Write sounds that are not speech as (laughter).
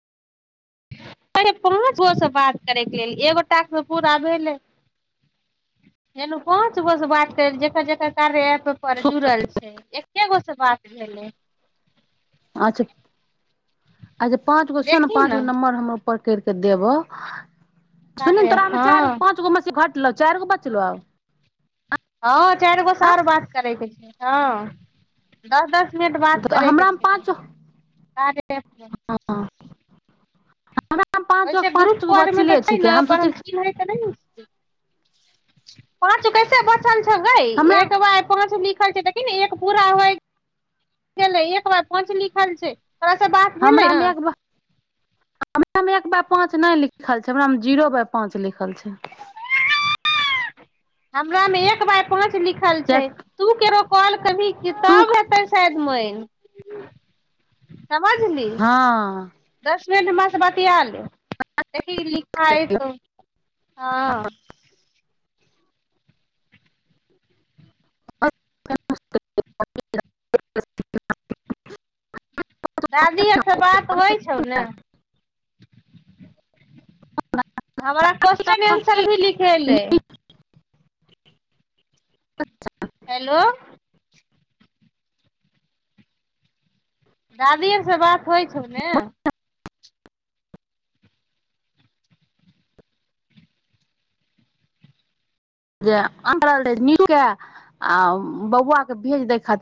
अरे पाच गो से बात करेके लेल एगो टास्क पूरा भेलै पाँच गो से बात कर जकर जेकर कार्य एप्प ओय पर जुड़ल छै एके गो सँ बात भेलै अच्छा देखीहिं न पकैर क देब सुनहिं ने कार्य तोरा एप आ हँ चारि पाँच गो मे सँ घर त चारि गो बचलो आओर हँ चारि गो सँ आर बात करैके हँ दस दस मिनट बात करैके हमरामे छै पाँच (inaudible) पाँच वैसे ग्रुप पाँच गो परमे तऽ बचले छै छिकै ने पर सोच हम चिन्है त नहि पाँच गो कैसे बच हमरा (inaudible) एक बार पांच लिख खोल क देखीहिं न एक पूरा होइ गेलै एक बार पांच लिखल छै तोरासँ बात भेलै हं हमरामे एक हमरामे एक बाय पाँच नहि लिखल छै हमरामे जीरो बाय पाँच लिखल छै हमरामे एक बाय पांच लिखल किया छै तू केरो कॉल कभी तू तब हेतै शायद मैन समझली हँ दस तुरन्त हमरासे बतिआ ले देखी लिखाय हेतै हँ (inaudible) दादी आरसँ बात होइ छौ ने हमरा क्वेश्चन आंसर भी लिख एले अच्छा हेलो दादी आरसँ बात होइ छौ ने (inaudible) जे रह नीक केआ आ बौआ के भेज दै खातिर